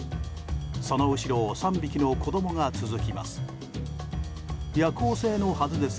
その後ろを３匹の子供が続きます。